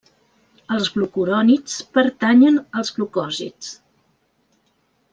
Els glucurònids pertanyen als glucòsids.